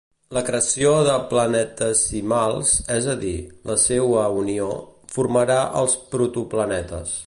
L'acreció de planetesimals, és a dir, la seua unió, formarà els protoplanetes.